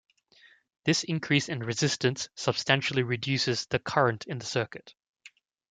This increase in resistance substantially reduces the current in the circuit.